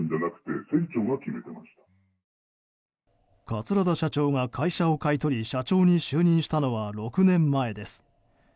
桂田社長が会社を買い取り社長に就任したのは６年前です。